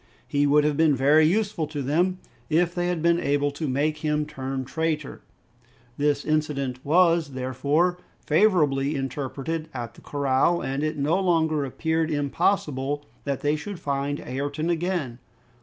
He would have been very useful to them, if they had been able to make him turn traitor! This incident was, therefore, favorably interpreted at the corral, and it no longer appeared impossible that they should find Ayrton again.